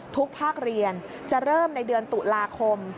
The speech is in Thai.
ภาคเรียนจะเริ่มในเดือนตุลาคม